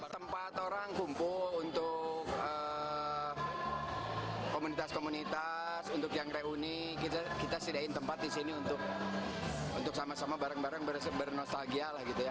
tempat orang kumpul untuk komunitas komunitas untuk yang reuni kita sediain tempat di sini untuk sama sama barang barang bernostalgia